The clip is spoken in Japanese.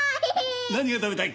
何が食べたい？